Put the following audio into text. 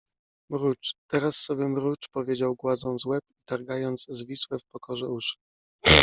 mrucz, teraz sobie mrucz powiedział gładząc łeb i targając zwisłe w pokorze uszy.